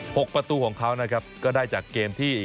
หกประตูของเขานะครับก็ได้จากเกมที่